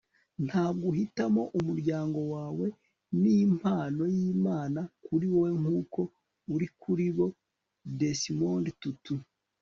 ntabwo uhitamo umuryango wawe. ni impano y'imana kuri wewe, nk'uko uri kuri bo. - desmond tutu